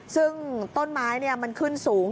ซึ่งต้นไม้มันขึ้นสูง